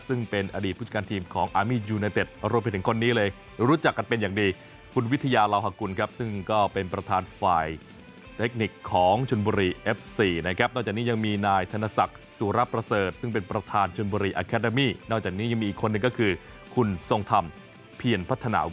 ซึ่งเป็นอดีตบุจังงงของอารมียูไนเต็ปรถไปถึงคนนี้เลย